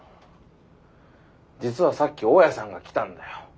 実はさっき大家さんが来たんだよ。